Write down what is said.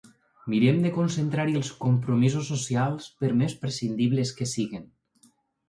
Mirem de concentrar-hi els compromisos socials, per més prescindibles que siguin.